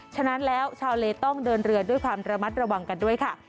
ฉะนั้นแล้วชาวเลต้องเดินเรือด้วยความระมัดระวังกันด้วยค่ะ